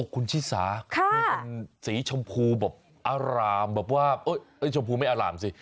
คุณชิสาสีชมพูแบบอารามแบบว่าชมพูไม่อารามสิ